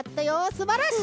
すばらしい！